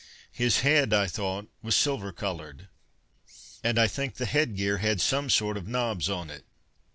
His head, I thought was silver coloured, and I think the headgear had some sort of knobs on it.